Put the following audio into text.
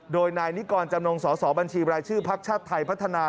โดยนายนิกรณ์จำนงสสบัญชีบริชชื่อภักดิ์ชาติไทยพัฒนา